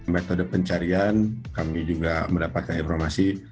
metode pencarian kami juga mendapatkan informasi